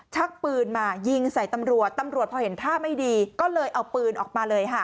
ชักปืนมายิงใส่ตำรวจตำรวจพอเห็นท่าไม่ดีก็เลยเอาปืนออกมาเลยค่ะ